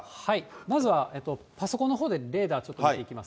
まずはパソコンのほうでレーダーちょっと見ていきます。